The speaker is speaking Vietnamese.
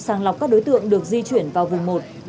sàng lọc các đối tượng được di chuyển vào vùng một